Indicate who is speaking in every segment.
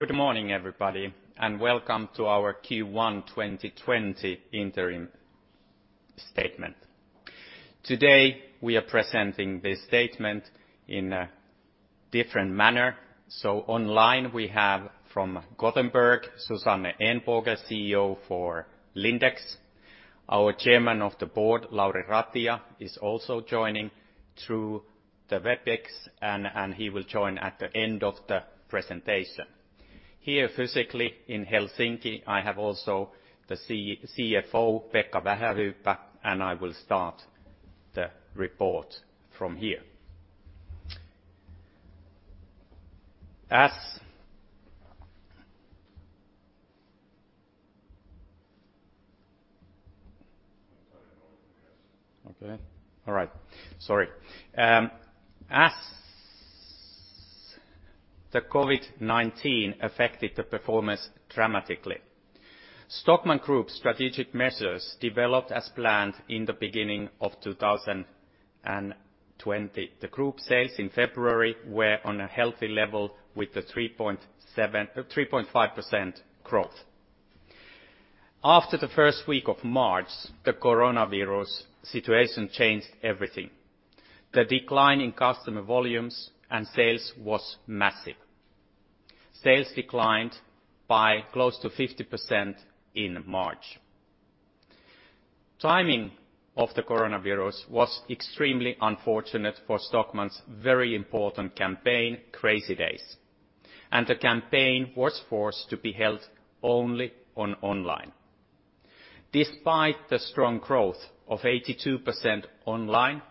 Speaker 1: Good morning, everybody, and welcome to our Q1 2020 Interim Statement. Today, we are presenting this statement in a different manner. Online, we have from Gothenburg, Susanne Ehnbåge, CEO for Lindex. Our Chairman of the Board, Lauri Ratia, is also joining through the Webex, and he will join at the end of the presentation. Here physically in Helsinki, I have also the CFO, Pekka Vähähyyppä, and I will start the report from here. As the COVID-19 affected the performance dramatically, Stockmann Group's strategic measures developed as planned in the beginning of 2020. The group sales in February were on a healthy level with a 3.5% growth. After the first week of March, the coronavirus situation changed everything. The decline in customer volumes and sales was massive. Sales declined by close to 50% in March. Timing of the coronavirus was extremely unfortunate for Stockmann's very important campaign, Crazy Days, and the campaign was forced to be held only on online. Despite the strong growth of 82% online,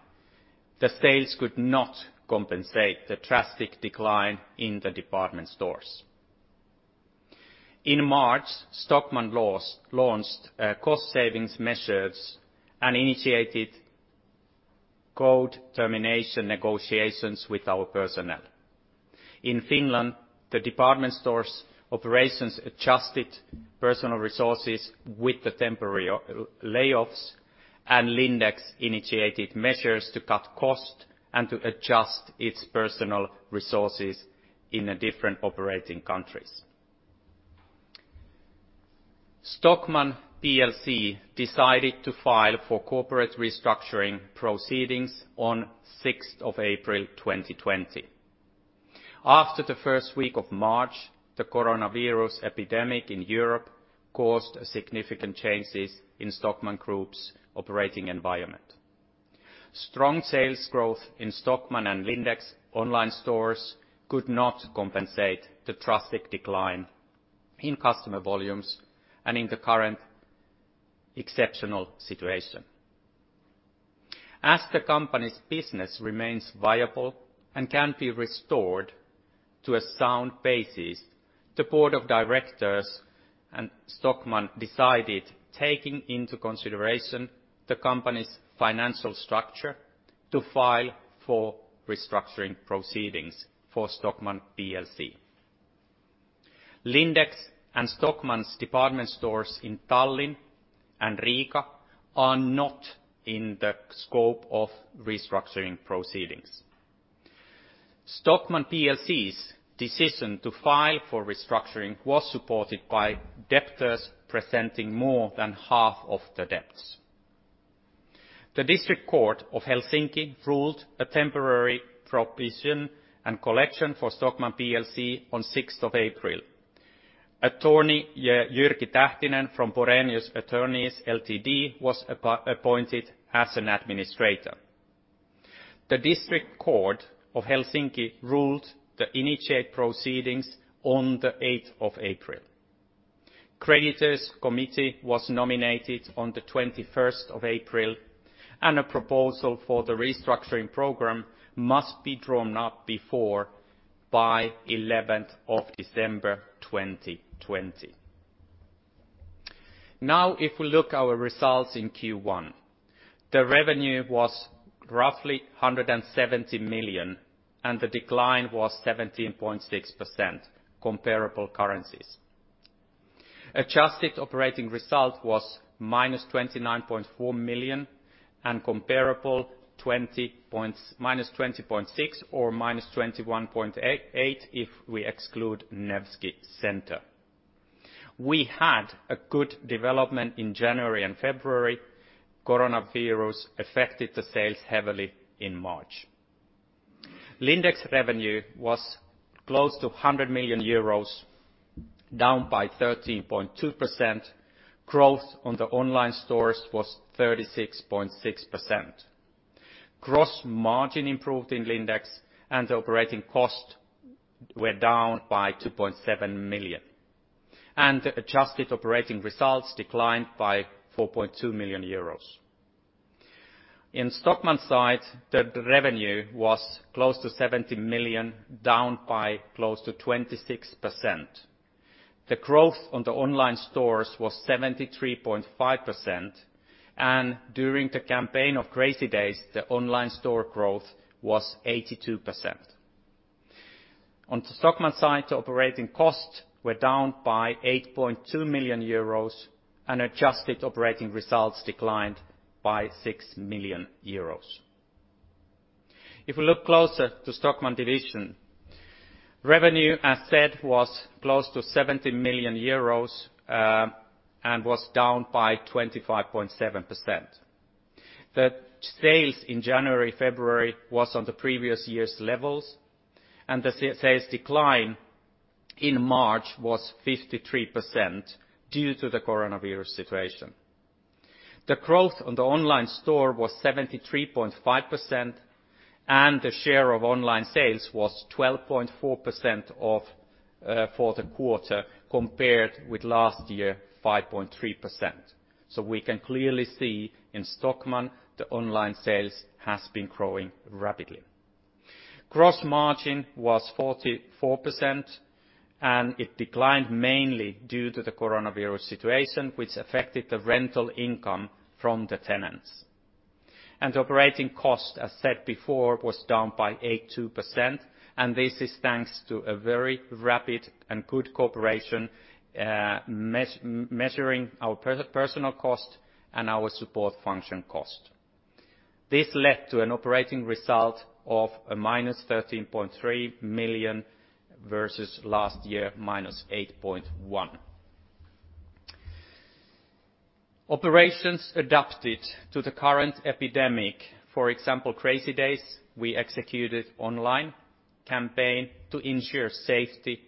Speaker 1: the sales could not compensate the drastic decline in the department stores. In March, Stockmann launched cost savings measures and initiated code termination negotiations with our personnel. In Finland, the department stores operations adjusted personal resources with the temporary layoffs, and Lindex initiated measures to cut cost and to adjust its personal resources in the different operating countries. Stockmann PLC decided to file for corporate restructuring proceedings on 6th of April 2020. After the first week of March, the coronavirus epidemic in Europe caused significant changes in Stockmann Group's operating environment. Strong sales growth in Stockmann and Lindex online stores could not compensate the drastic decline in customer volumes and in the current exceptional situation. The company's business remains viable and can be restored to a sound basis, the board of directors and Stockmann decided, taking into consideration the company's financial structure, to file for restructuring proceedings for Stockmann PLC. Lindex and Stockmann's department stores in Tallinn and Riga are not in the scope of restructuring proceedings. Stockmann PLC's decision to file for restructuring was supported by debtors presenting more than half of the debts. The District Court of Helsinki ruled a temporary prohibition and collection for Stockmann PLC on 6th of April. Attorney Jyrki Tähtinen from Borenius Attorneys Ltd. was appointed as an administrator. The District Court of Helsinki ruled to initiate proceedings on the 8th of April. Creditors' committee was nominated on the 21st of April, and a proposal for the restructuring program must be drawn up before by 11th of December 2020. If we look our results in Q1, the revenue was roughly 170 million, and the decline was 17.6% comparable currencies. Adjusted operating result was -29.4 million, and comparable -20.6 million, or -21.8 million, if we exclude Nevsky Center. We had a good development in January and February. Coronavirus affected the sales heavily in March. Lindex revenue was close to 100 million euros, down by 13.2%. Growth on the online stores was 36.6%. Gross margin improved in Lindex, and operating cost were down by 2.7 million. Adjusted operating results declined by 4.2 million euros. In Stockmann's side, the revenue was close to 70 million, down by close to 26%. The growth on the online stores was 73.5%, during the campaign of Crazy Days, the online store growth was 82%. On the Stockmann side, operating costs were down by 8.2 million euros, and adjusted operating results declined by 6 million euros. We look closer to Stockmann division, revenue, as said, was close to 70 million euros, and was down by 25.7%. The sales in January, February was on the previous year's levels, and the sales decline in March was 53% due to the coronavirus situation. The growth on the online store was 73.5%, and the share of online sales was 12.4% of for the quarter compared with last year, 5.3%. We can clearly see in Stockmann, the online sales has been growing rapidly. Gross margin was 44%. It declined mainly due to the coronavirus situation, which affected the rental income from the tenants. Operating costs, as said before, was down by 82%, and this is thanks to a very rapid and good cooperation, measuring our personal cost and our support function cost. This led to an operating result of a minus 13.3 million versus last year minus 8.1 million. Operations adapted to the current epidemic. For example, Crazy Days, we executed online campaign to ensure safety,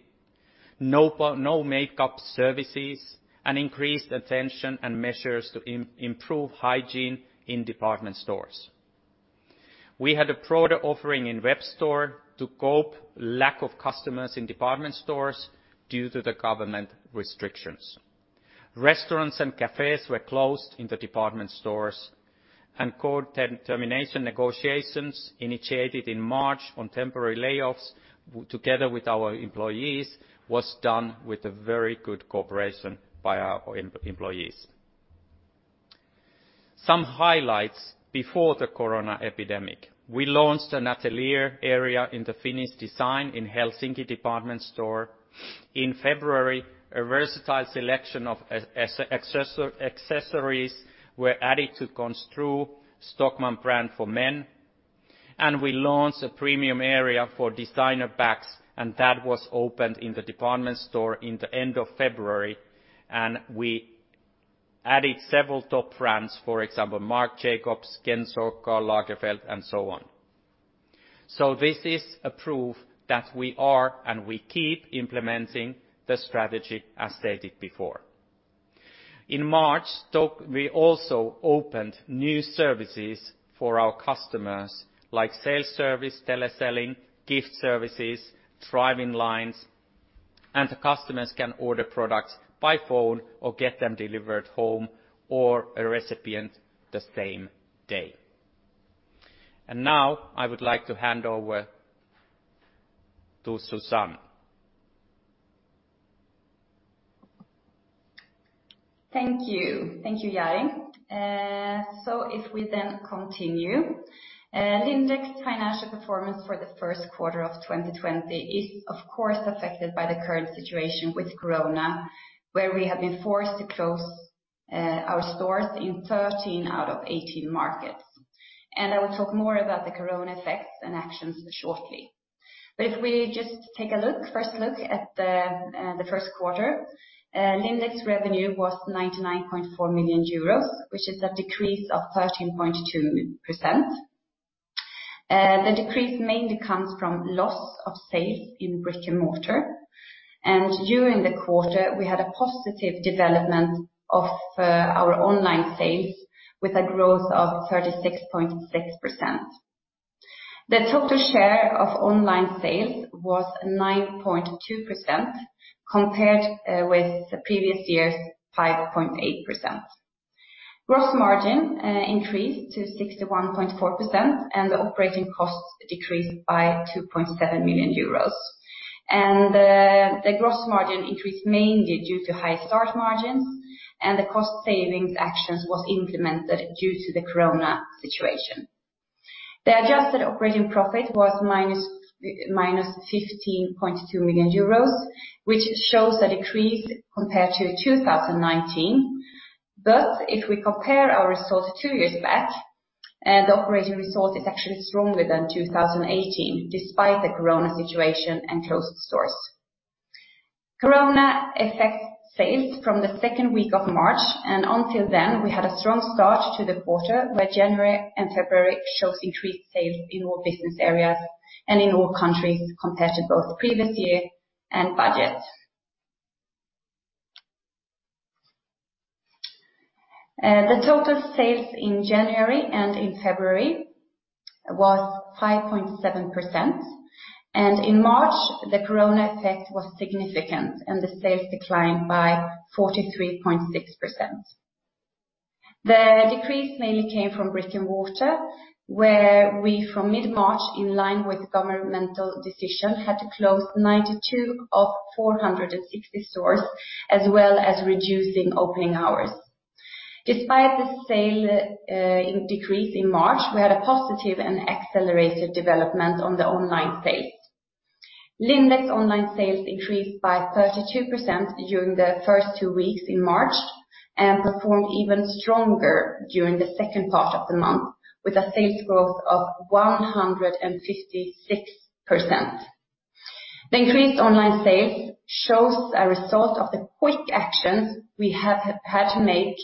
Speaker 1: no makeup services, and increased attention and measures to improve hygiene in department stores. We had a product offering in web store to cope lack of customers in department stores due to the government restrictions. Restaurants and cafés were closed in the department stores, Co-termination negotiations initiated in March on temporary layoffs together with our employees was done with a very good cooperation by our employees. Some highlights before the COVID-19. We launched an atelier area in the Finnish design in Helsinki department store. In February, a versatile selection of accessories were added to Con.stru Stockmann brand for men, We launched a premium area for designer bags, That was opened in the department store in the end of February, We added several top brands, for example, Marc Jacobs, Kenzo, Karl Lagerfeld, and so on. This is a proof that we are, and we keep implementing the strategy as stated before. In March, we also opened new services for our customers, like sales service, teleselling, gift services, drive-in lines, the customers can order products by phone or get them delivered home or a recipient the same day. Now I would like to hand over to Susanne.
Speaker 2: Thank you. Thank you, Jari. If we then continue, Lindex financial performance for the first quarter of 2020 is of course affected by the current situation with corona, where we have been forced to close our stores in 13 out of 18 markets. I will talk more about the corona effects and actions shortly. If we just take a look, first look at the first quarter, Lindex revenue was 99.4 million euros, which is a decrease of 13.2%. The decrease mainly comes from loss of sales in brick-and-mortar. During the quarter, we had a positive development of our online sales with a growth of 36.6%. The total share of online sales was 9.2% compared with the previous year's 5.8%. Gross margin increased to 61.4%, and the operating costs decreased by 2.7 million euros. The gross margin increased mainly due to high start margins, and the cost savings actions was implemented due to the corona situation. The adjusted operating profit was -15.2 million euros, which shows a decrease compared to 2019. If we compare our results two years back, the operating result is actually stronger than 2018, despite the corona situation and closed stores. Corona affect sales from the second week of March, and until then, we had a strong start to the quarter where January and February shows increased sales in all business areas and in all countries compared to both previous year and budgets. The total sales in January and in February was 5.7%. In March, the corona effect was significant, and the sales declined by 43.6%. The decrease mainly came from brick-and-mortar, where we from mid-March, in line with governmental decision, had to close 92 of 460 stores, as well as reducing opening hours. Despite the sale, in decrease in March, we had a positive and accelerated development on the online sales. Lindex online sales increased by 32% during the first two weeks in March, and performed even stronger during the second part of the month, with a sales growth of 156%. The increased online sales shows a result of the quick actions we had to make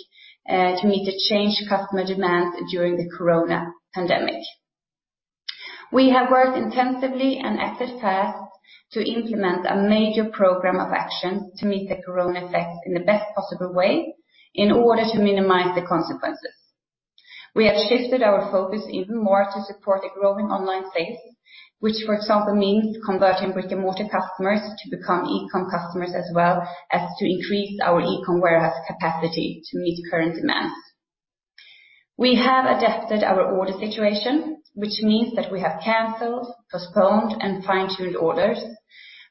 Speaker 2: to meet the changed customer demands during the corona pandemic. We have worked intensively and acted fast to implement a major program of action to meet the corona effects in the best possible way in order to minimize the consequences. We have shifted our focus even more to support the growing online sales, which, for example, means converting brick-and-mortar customers to become e-com customers as well as to increase our e-com warehouse capacity to meet current demands. We have adapted our order situation, which means that we have canceled, postponed, and fine-tuned orders.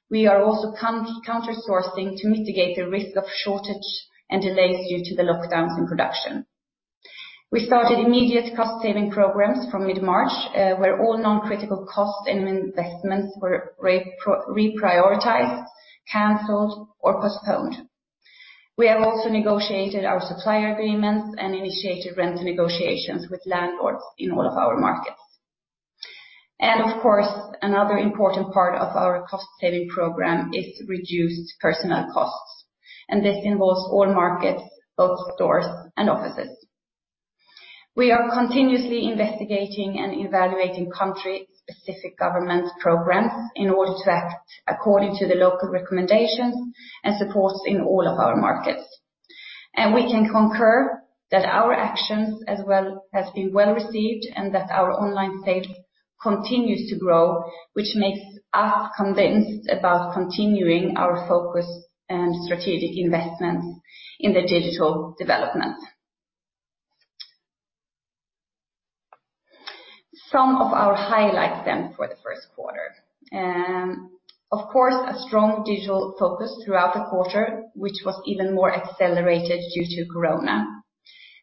Speaker 2: We are also counter sourcing to mitigate the risk of shortage and delays due to the lockdowns in production. We started immediate cost saving programs from mid-March, where all non-critical costs and investments were reprioritized, canceled, or postponed. We have also negotiated our supplier agreements and initiated rent negotiations with landlords in all of our markets. Of course, another important part of our cost-saving program is reduced personnel costs, and this involves all markets, both stores and offices. We are continuously investigating and evaluating country-specific government programs in order to act according to the local recommendations and supports in all of our markets. We can concur that our actions as well have been well-received, and that our online sales continues to grow, which makes us convinced about continuing our focus and strategic investment in the digital development. Some of our highlights for the first quarter. Of course, a strong digital focus throughout the quarter, which was even more accelerated due to corona.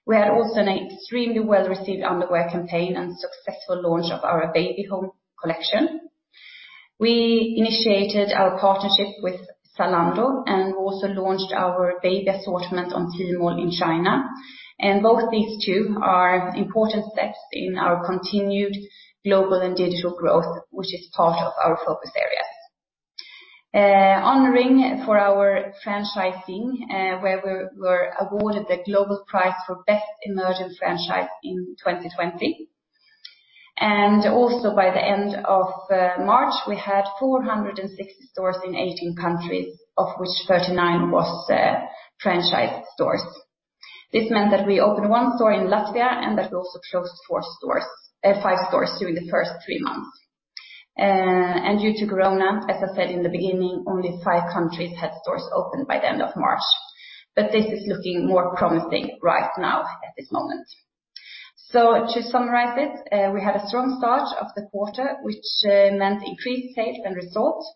Speaker 2: We had also an extremely well-received underwear campaign and successful launch of our baby home collection. We initiated our partnership with Zalando and also launched our baby assortment on Tmall in China. Both these two are important steps in our continued global and digital growth, which is part of our focus areas. Honoring for our franchising, where we're awarded the global prize for best emerging franchise in 2020. Also by the end of March, we had 460 stores in 18 countries, of which 39 was franchise stores. This meant that we opened one store in Latvia, and that we also closed four stores. Five stores during the first three months. Due to corona, as I said in the beginning, only five countries had stores open by the end of March, but this is looking more promising right now at this moment. To summarize it, we had a strong start of the quarter, which meant increased sales and results.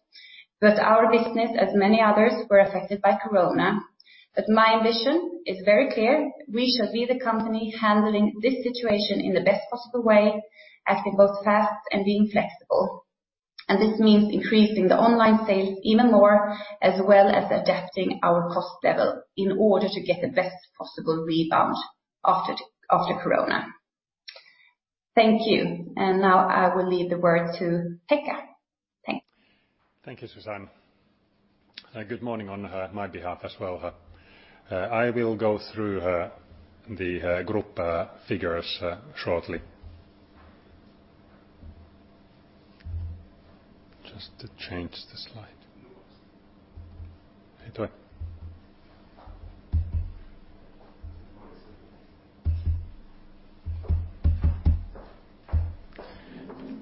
Speaker 2: Our business, as many others, were affected by corona. My ambition is very clear. We shall be the company handling this situation in the best possible way as we go fast and being flexible. This means increasing the online sales even more, as well as adapting our cost level in order to get the best possible rebound after corona. Thank you. Now I will leave the word to Pekka. Thanks.
Speaker 3: Thank you, Susanne. Good morning on my behalf as well, I will go through the group figures shortly. Just to change the slide.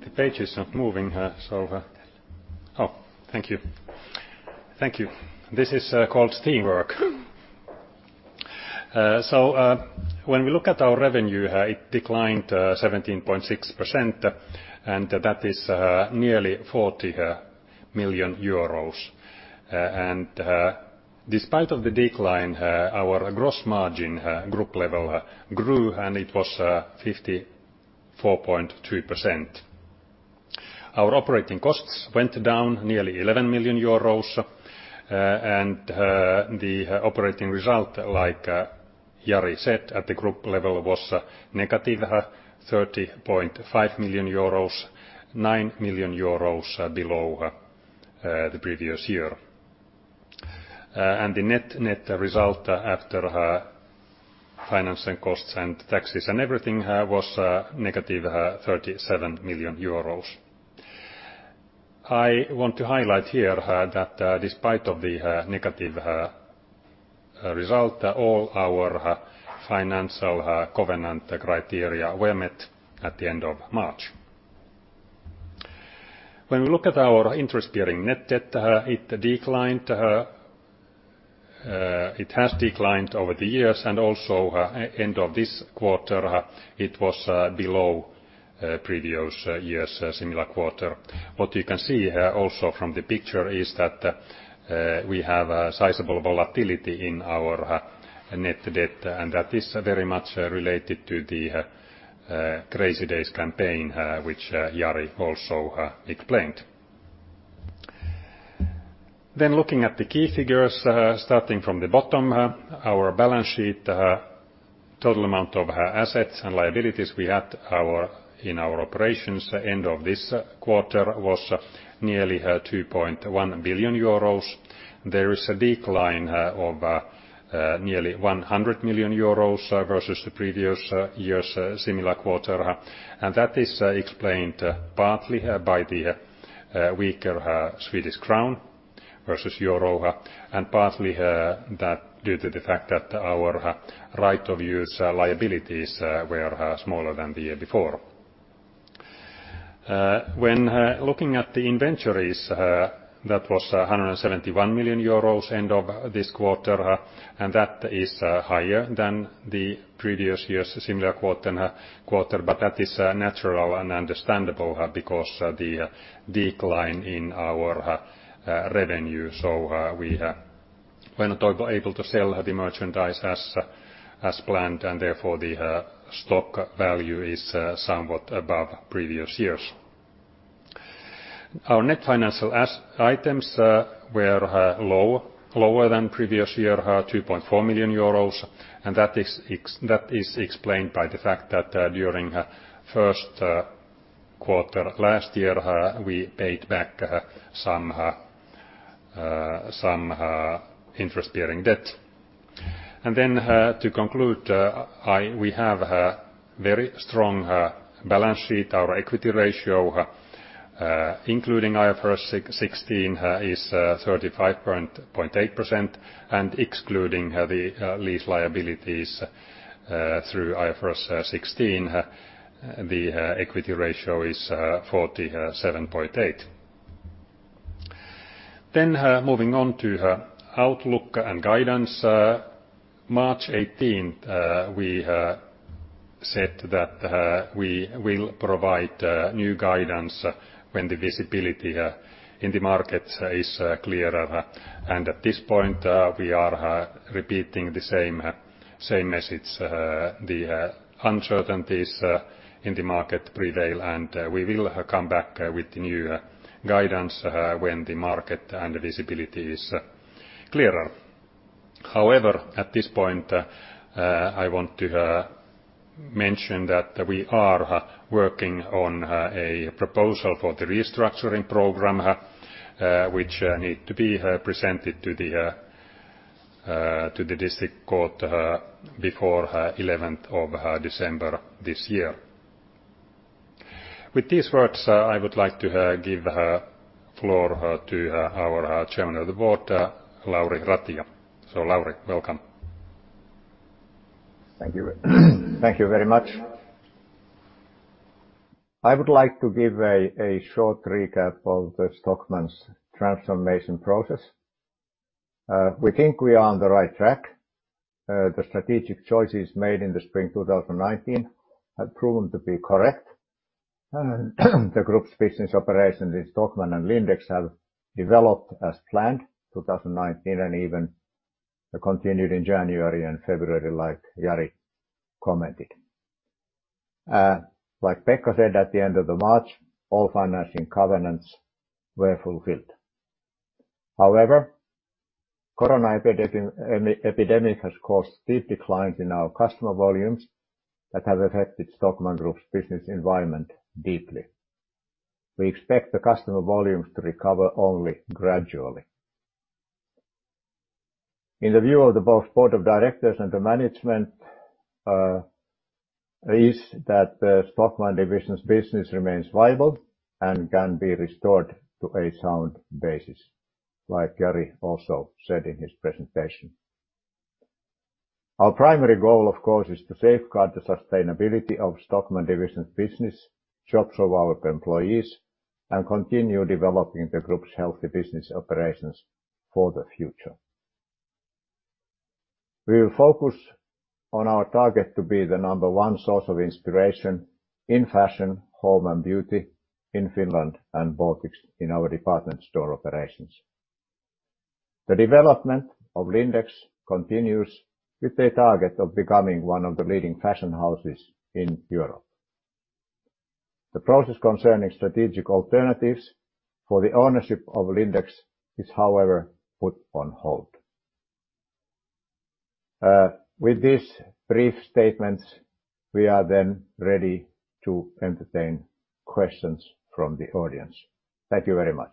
Speaker 3: The page is not moving. Thank you. This is called teamwork. When we look at our revenue, it declined 17.6%, and that is nearly 40 million euros. Despite of the decline, our gross margin, group level, grew, and it was 54.2%. Our operating costs went down nearly 11 million euros, the operating result, like Jari said, at the group level was negative 30.5 million euros, 9 million euros below the previous year. The net result after financing costs and taxes and everything, was -37 million euros. I want to highlight here that despite of the negative result, all our financial covenant criteria were met at the end of March. When we look at our interest during net debt, it declined, it has declined over the years and also end of this quarter, it was below previous year's similar quarter. What you can see also from the picture is that we have a sizable volatility in our net debt, and that is very much related to the Crazy Days campaign, which Jari also explained. Looking at the key figures, starting from the bottom, our balance sheet, total amount of assets and liabilities we had in our operations end of this quarter was nearly 2.1 billion euros. There is a decline of nearly 100 million euros versus the previous year's similar quarter. That is explained partly by the weaker Swedish crown versus euro, and partly that due to the fact that our right-of-use liabilities were smaller than the year before. When looking at the inventories, that was 171 million euros end of this quarter, and that is higher than the previous year's similar quarter. That is natural and understandable because the decline in our revenue. We were not able to sell the merchandise as planned, and therefore the stock value is somewhat above previous years. Our net financial items were lower than previous year, 2.4 million euros, and that is explained by the fact that during first quarter last year, we paid back some interest-bearing debt. To conclude, we have a very strong balance sheet. Our equity ratio, including IFRS 16, is 35.8%, and excluding the lease liabilities through IFRS 16, the equity ratio is 47.8%. Moving on to outlook and guidance. March 18th, we said that we will provide new guidance when the visibility in the market is clearer. At this point, we are repeating the same message. The uncertainties in the market prevail. We will come back with new guidance when the market and the visibility is clearer. However, at this point, I want to mention that we are working on a proposal for the corporate restructuring program, which need to be presented to the District Court of Helsinki before 11th of December this year. With these words, I would like to give floor to our Chairman of the Board, Lauri Ratia. Lauri, welcome.
Speaker 4: Thank you. Thank you very much. I would like to give a short recap of the Stockmann's transformation process. We think we are on the right track. The strategic choices made in the spring 2019 have proven to be correct. The group's business operations in Stockmann and Lindex have developed as planned 2019, and even continued in January and February, like Jari commented. Like Pekka said, at the end of the March, all financing covenants were fulfilled. However, corona epidemic has caused steep declines in our customer volumes that have affected Stockmann Group's business environment deeply. We expect the customer volumes to recover only gradually. In the view of the both board of directors and the management, is that the Stockmann division's business remains viable and can be restored to a sound basis, like Jari also said in his presentation. Our primary goal, of course, is to safeguard the sustainability of Stockmann division's business, jobs of our employees, and continue developing the group's healthy business operations for the future. We will focus on our target to be the number one source of inspiration in fashion, home, and beauty in Finland and Baltics in our department store operations. The development of Lindex continues, with a target of becoming one of the leading fashion houses in Europe. The process concerning strategic alternatives for the ownership of Lindex is, however, put on hold. With these brief statements, we are ready to entertain questions from the audience. Thank you very much.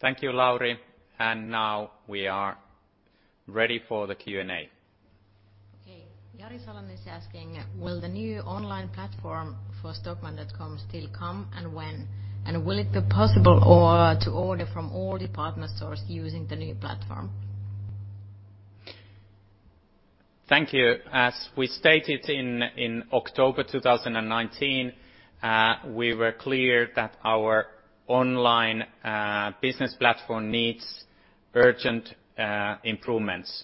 Speaker 1: Thank you, Lauri. Now we are ready for the Q&A.
Speaker 5: Okay. Jari Salonen is asking, will the new online platform for stockmann.com still come, and when? Will it be possible to order from all department stores using the new platform?
Speaker 1: Thank you. As we stated in October 2019, we were clear that our online business platform needs urgent improvements.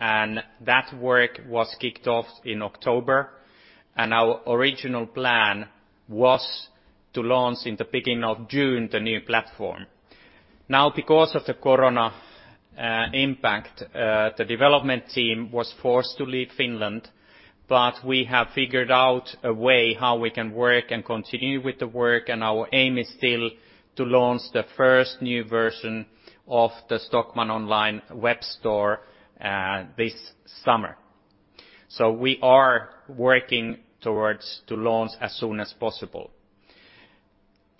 Speaker 1: That work was kicked off in October. Our original plan was to launch in the beginning of June, the new platform. Because of the corona Impact. The development team was forced to leave Finland, we have figured out a way how we can work and continue with the work. Our aim is still to launch the first new version of the Stockmann online web store this summer. We are working towards to launch as soon as possible.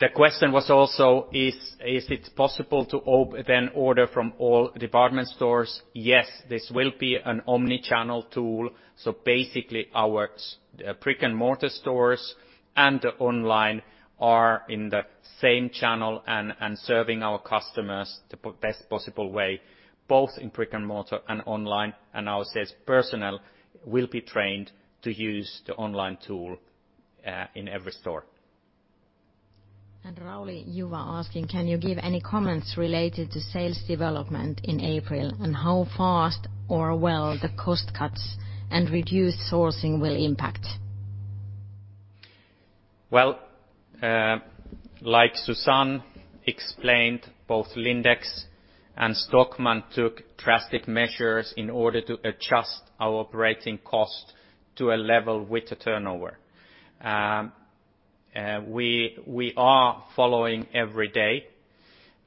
Speaker 1: The question was also, is it possible to then order from all department stores? Yes, this will be an omni-channel tool, basically our brick-and-mortar stores and the online are in the same channel and serving our customers the best possible way, both in brick-and-mortar and online. Our sales personnel will be trained to use the online tool in every store.
Speaker 5: Rauli Juva asking, can you give any comments related to sales development in April, and how fast or well the cost cuts and reduced sourcing will impact?
Speaker 1: Well, like Susanne explained, both Lindex and Stockmann took drastic measures in order to adjust our operating cost to a level with the turnover. We are following every day.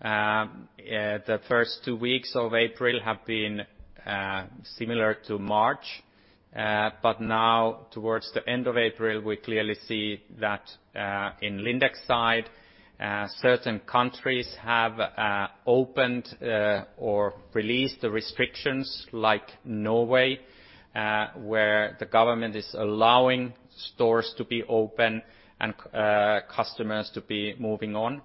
Speaker 1: The first two weeks of April have been similar to March. Now towards the end of April, we clearly see that in Lindex side, certain countries have opened or released the restrictions, like Norway, where the government is allowing stores to be open and customers to be moving on.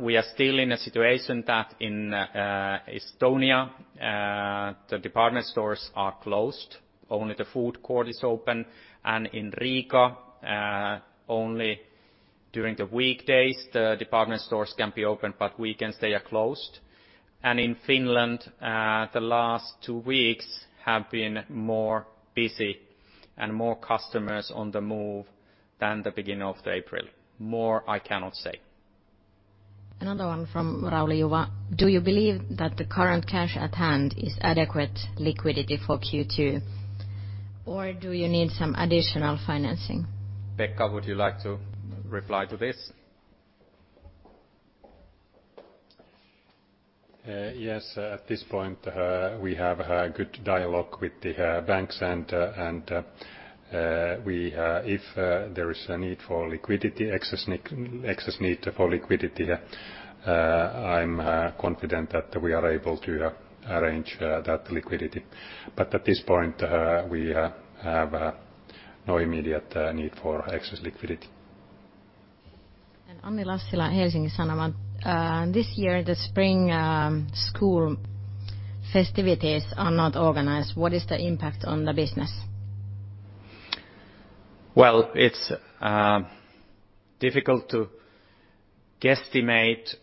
Speaker 1: We are still in a situation that in Estonia, the department stores are closed. Only the food court is open. In Riga, only during the weekdays the department stores can be open, but weekends they are closed. In Finland, the last two weeks have been more busy and more customers on the move than the beginning of April. More I cannot say.
Speaker 5: Another one from Rauli Juva. Do you believe that the current cash at hand is adequate liquidity for Q2 or do you need some additional financing?
Speaker 1: Pekka, would you like to reply to this?
Speaker 3: Yes, at this point, we have a good dialogue with the banks and we, if, there is a need for liquidity, excess need for liquidity here, I'm confident that we are able to arrange that liquidity. At this point, we have no immediate need for excess liquidity.
Speaker 5: Anni Lassila, Helsingin Sanomat. This year the spring school festivities are not organized. What is the impact on the business?
Speaker 1: Well, it's difficult to guesstimate.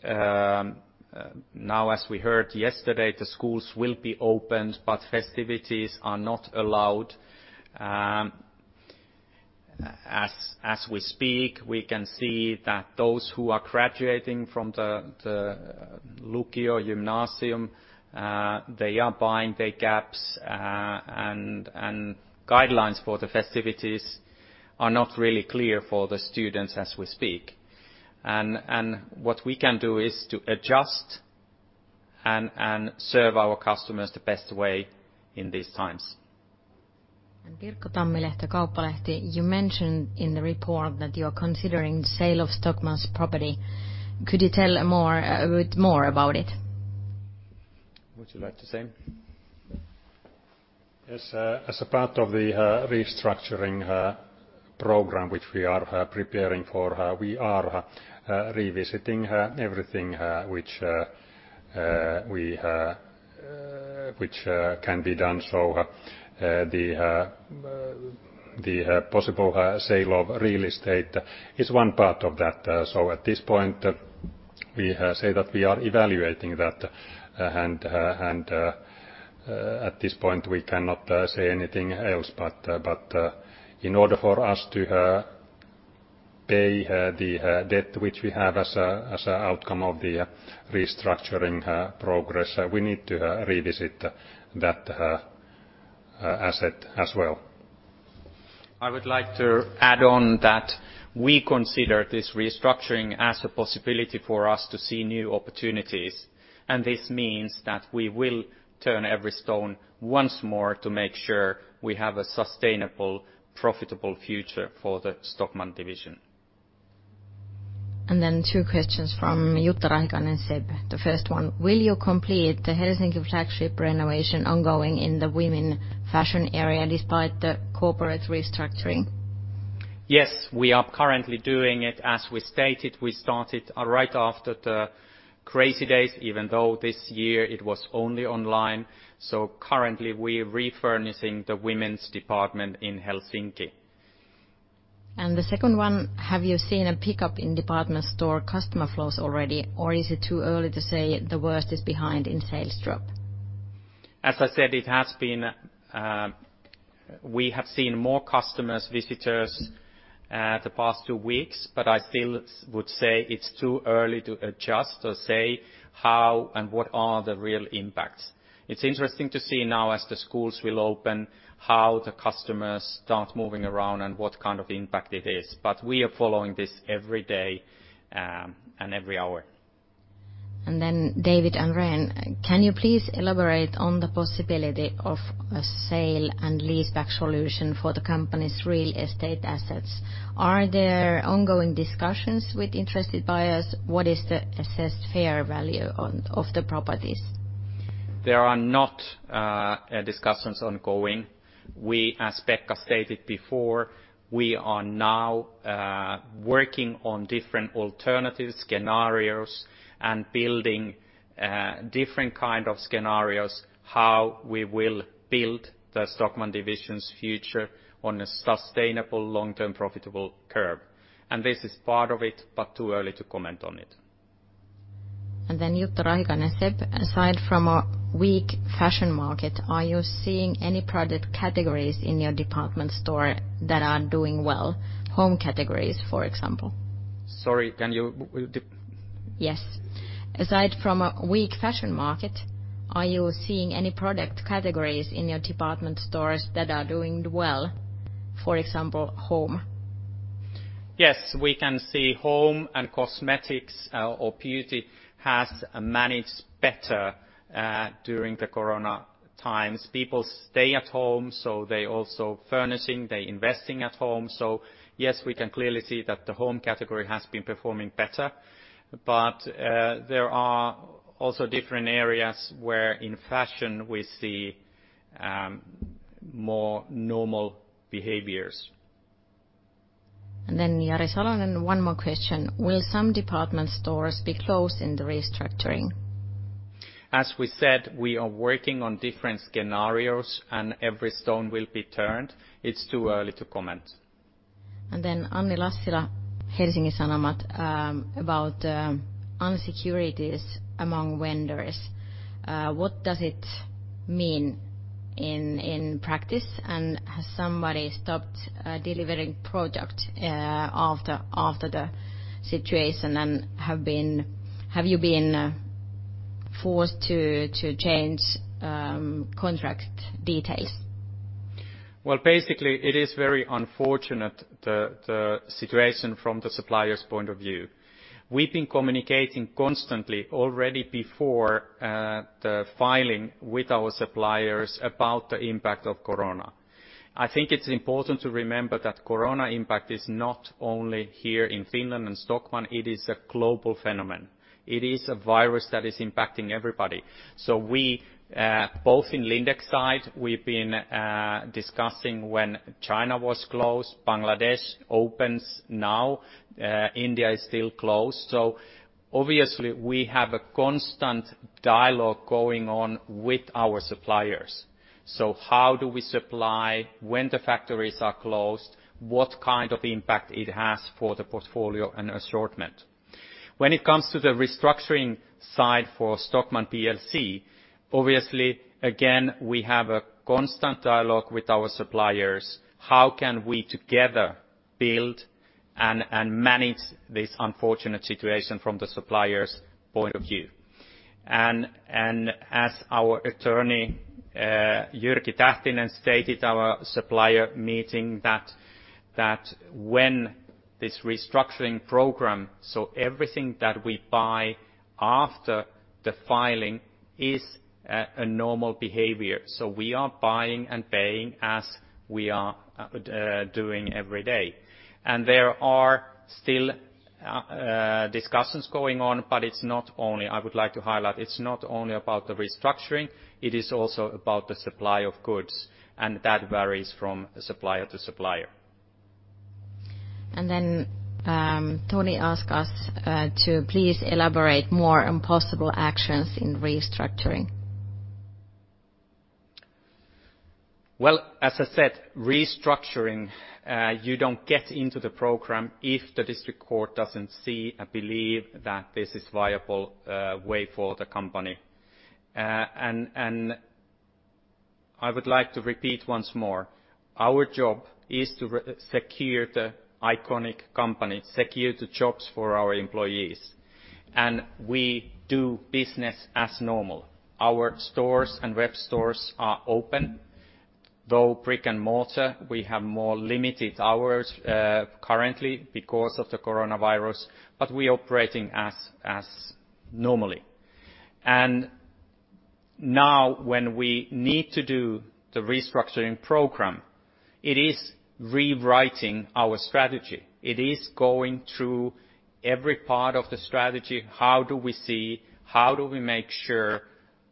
Speaker 1: Now as we heard yesterday, the schools will be opened, but festivities are not allowed. As we speak, we can see that those who are graduating from the lukio, gymnasium, they are buying their caps. Guidelines for the festivities are not really clear for the students as we speak. What we can do is to adjust and serve our customers the best way in these times.
Speaker 5: Pirkko Tammilehto, Kauppalehti, you mentioned in the report that you're considering sale of Stockmann's property. Could you tell more, a bit more about it?
Speaker 1: Would you like to say?
Speaker 3: Yes. As a part of the restructuring program which we are preparing for, we are revisiting everything which can be done. The possible sale of real estate is one part of that. At this point we say that we are evaluating that. At this point we cannot say anything else. In order for us to pay the debt which we have as an outcome of the restructuring progress, we need to revisit that asset as well.
Speaker 1: I would like to add on that we consider this restructuring as a possibility for us to see new opportunities. This means that we will turn every stone once more to make sure we have a sustainable, profitable future for the Stockmann division.
Speaker 5: Two questions from Jutta Rahikainen, SEB. The first one: Will you complete the Helsinki flagship renovation ongoing in the women fashion area despite the corporate restructuring?
Speaker 1: Yes, we are currently doing it. As we stated, we started right after the Crazy Days, even though this year it was only online. Currently we're refurnishing the women's department in Helsinki.
Speaker 5: The second one: Have you seen a pickup in department store customer flows already, or is it too early to say the worst is behind in sales drop?
Speaker 1: As I said, it has been, we have seen more customers, visitors, the past two weeks, but I still would say it's too early to adjust or say how and what are the real impacts. It's interesting to see now as the schools will open how the customers start moving around and what kind of impact it is. We are following this every day, and every hour.
Speaker 5: Panu Laitinmäki, Danske Bank, can you please elaborate on the possibility of a sale and leaseback solution for the company's real estate assets? Are there ongoing discussions with interested buyers? What is the assessed fair value of the properties?
Speaker 1: There are not discussions ongoing. We, as Pekka stated before, we are now working on different alternative scenarios and building different kind of scenarios how we will build the Stockmann division's future on a sustainable, long-term profitable curve. This is part of it, but too early to comment on it.
Speaker 5: Jutta Rahikainen, SEB, aside from a weak fashion market, are you seeing any product categories in your department store that are doing well? Home categories, for example.
Speaker 1: Sorry, can you...
Speaker 5: Yes. Aside from a weak fashion market, are you seeing any product categories in your department stores that are doing well? For example, home.
Speaker 1: Yes. We can see home and cosmetics, or beauty has managed better, during the coronavirus times. People stay at home, so they also furnishing, they investing at home. Yes, we can clearly see that the home category has been performing better. There are also different areas where in fashion we see, more normal behaviors.
Speaker 5: Jari Salonen, one more question. Will some department stores be closed in the restructuring?
Speaker 1: As we said, we are working on different scenarios. Every stone will be turned. It's too early to comment.
Speaker 5: Anni Lassila, Helsingin Sanomat, about insecurities among vendors. What does it mean in practice? Has somebody stopped delivering product after the situation, have you been forced to change contract details?
Speaker 1: Basically, it is very unfortunate, the situation from the supplier's point of view. We've been communicating constantly already before the filing with our suppliers about the impact of corona. I think it's important to remember that corona impact is not only here in Finland and Stockmann, it is a global phenomenon. It is a virus that is impacting everybody. We both in Lindex side, we've been discussing when China was closed, Bangladesh opens now, India is still closed. Obviously we have a constant dialogue going on with our suppliers. How do we supply when the factories are closed? What kind of impact it has for the portfolio and assortment? When it comes to the restructuring side for Stockmann plc, obviously, again, we have a constant dialogue with our suppliers. How can we together build and manage this unfortunate situation from the supplier's point of view? As our attorney Jyrki Tähtinen stated our supplier meeting that when this restructuring program. Everything that we buy after the filing is a normal behavior. We are buying and paying as we are doing every day. There are still discussions going on, but I would like to highlight, it's not only about the restructuring, it is also about the supply of goods, and that varies from supplier to supplier.
Speaker 5: Tony asked us to please elaborate more on possible actions in restructuring.
Speaker 1: Well, as I said, restructuring, you don't get into the program if the District Court doesn't see and believe that this is viable way for the company. I would like to repeat once more, our job is to secure the iconic company, secure the jobs for our employees, and we do business as normal. Our stores and web stores are open, though brick-and-mortar we have more limited hours, currently because of the coronavirus, but we operating normally. Now when we need to do the restructuring program, it is rewriting our strategy. It is going through every part of the strategy. How do we see? How do we make sure,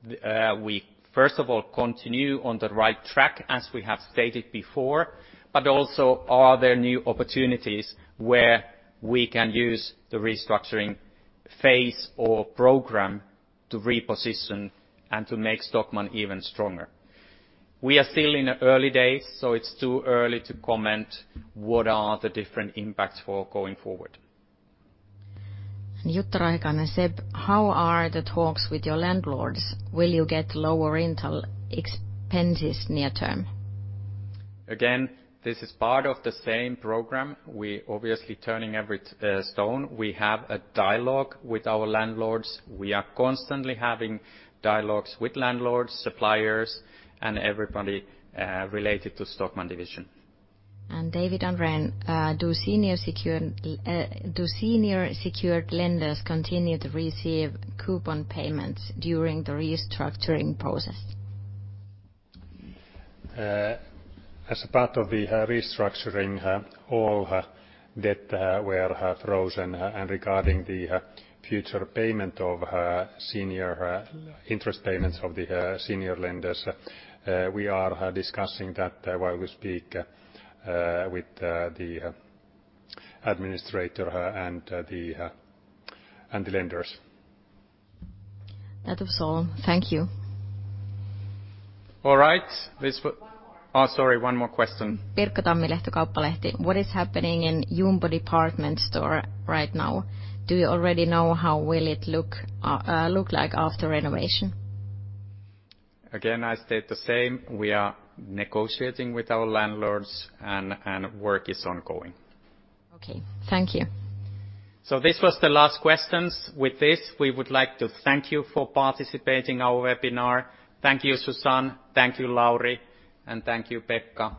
Speaker 1: we, first of all, continue on the right track, as we have stated before, but also are there new opportunities where we can use the restructuring phase or program to reposition and to make Stockmann even stronger? We are still in the early days, so it's too early to comment what are the different impacts for going forward.
Speaker 5: Jutta Rahikainen, SEB, how are the talks with your landlords? Will you get lower rental expenses near term?
Speaker 1: This is part of the same program. We're obviously turning every stone. We have a dialogue with our landlords. We are constantly having dialogues with landlords, suppliers, and everybody related to Stockmann division.
Speaker 5: Panu Laitinmäki, Danske Bank, do senior secured lenders continue to receive coupon payments during the restructuring process?
Speaker 3: As part of the restructuring, all debt were frozen. Regarding the future payment of senior interest payments of the senior lenders, we are discussing that while we speak with the administrator and the lenders.
Speaker 5: That was all. Thank you.
Speaker 3: All right.
Speaker 5: One more.
Speaker 1: Oh, sorry. One more question.
Speaker 5: Pirkko Tammilehto, Kauppalehti. What is happening in Jumbo Department Store right now? Do you already know how will it look like after renovation?
Speaker 1: Again, I state the same. We are negotiating with our landlords, and work is ongoing.
Speaker 5: Okay. Thank you.
Speaker 1: This was the last questions. With this, we would like to thank you for participating our webinar. Thank you, Susanne, thank you, Lauri, and thank you, Pekka.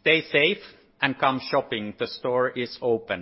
Speaker 1: Stay safe and come shopping. The store is open.